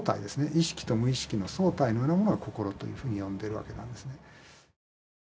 意識と無意識の総体のようなものを心というふうに呼んでるわけなんですね。